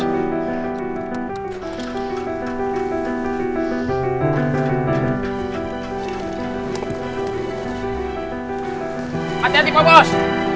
hati hati pak bos